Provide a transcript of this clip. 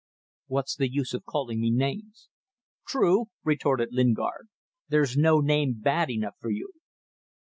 "What's the use of calling me names?" "True," retorted Lingard "there's no name bad enough for you."